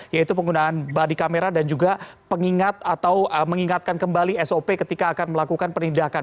yaitu penggunaan bodi kamera dan juga mengingatkan kembali sop ketika akan melakukan perindahkan